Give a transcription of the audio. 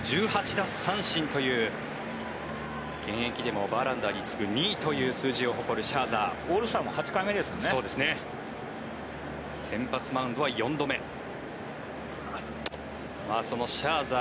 奪三振という現役でもバーランダーに次ぐ２位という数字を誇るシャーザー。